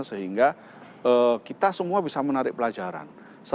sehingga kita semua bisa menarik pelajaran